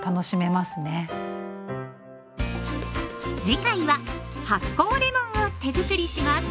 次回は発酵レモンを手づくりします。